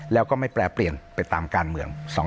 แล้วก็ไม่แปรเปลี่ยนไปตามการเมือง